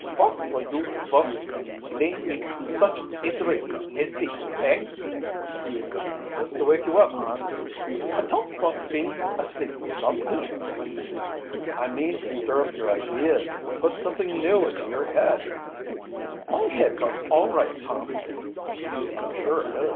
"Vot for you vos blay me such a drick as dis, hey?" "Just to wake you up, Hans." "I ton't vos been asleep, not me!" "I mean to stir up your ideas put something new into your head." "Mine head vos all right, Tom." "To be sure it is."